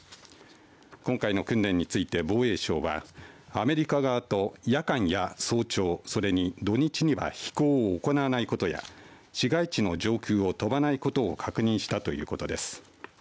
今回の訓練について、防衛省はアメリカ側と夜間や早朝それに土日には飛行を行わないことや市街地の上空を飛ばないことを確認したということです。